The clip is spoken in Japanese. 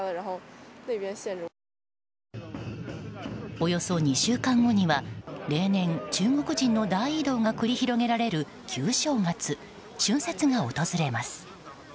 およそ２週間後には例年、中国人の大移動が繰り広げられる旧正月春節が訪れます。